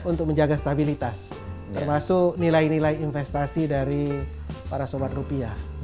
untuk menjaga stabilitas termasuk nilai nilai investasi dari para sobat rupiah